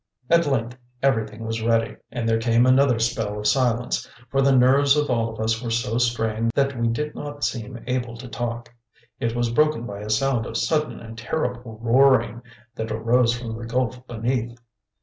At length everything was ready, and there came another spell of silence, for the nerves of all of us were so strained that we did not seem able to talk. It was broken by a sound of sudden and terrible roaring that arose from the gulf beneath.